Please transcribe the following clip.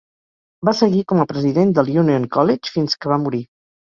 Va seguir com a president del Union College fins que va morir.